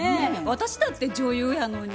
私だって女優やのに。